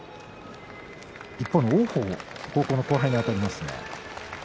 一方の王鵬高校の後輩にあたりますが。